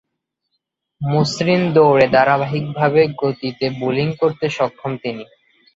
মসৃণ দৌঁড়ে ধারাবাহিকভাবে গতিতে বোলিং করতে সক্ষম তিনি।